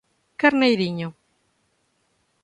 Carneirinho